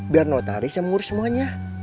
biar notaris yang mengurus semuanya